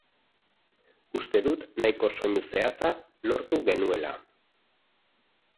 Uste dut nahiko soinu zehatza lortu genuela.